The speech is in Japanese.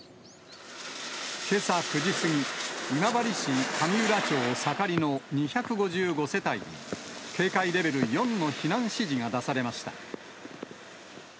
けさ９時過ぎ、今治市上浦町盛の２５５世帯に、警戒レベル４の避難指示が出されました。